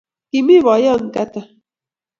Kimi boiyot Kata